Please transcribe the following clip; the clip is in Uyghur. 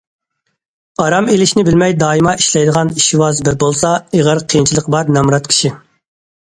ئارام ئېلىشنى بىلمەي دائىملا ئىشلەيدىغان ئىشۋاز بىر بولسا ئېغىر قىيىنچىلىقى بار نامرات كىشى.